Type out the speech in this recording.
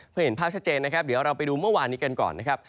เพื่อเห็นภาพชัดเจนนะครับเดี๋ยวเราไปดูเมื่อวานนี้กันก่อนนะครับ